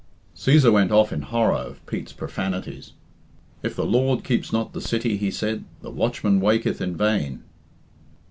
Cæsar went off in horror of Pete's profanities. "If the Lord keep not the city," he said, "the watchman waketh in vain."